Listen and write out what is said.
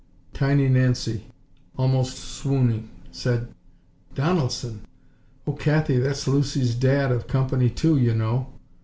Tiny Nancy, almost swooning, said: "Donaldson? Oh, Kathy! That's Lucy's Dad, of Company Two, you know!"